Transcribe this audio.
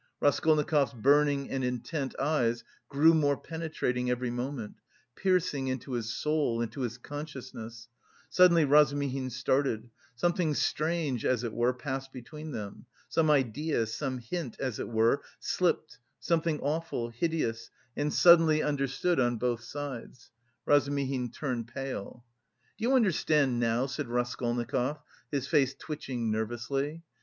Raskolnikov's burning and intent eyes grew more penetrating every moment, piercing into his soul, into his consciousness. Suddenly Razumihin started. Something strange, as it were, passed between them.... Some idea, some hint, as it were, slipped, something awful, hideous, and suddenly understood on both sides.... Razumihin turned pale. "Do you understand now?" said Raskolnikov, his face twitching nervously.